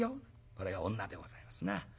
これが女でございますな。